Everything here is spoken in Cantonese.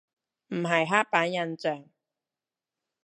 唔係刻板印象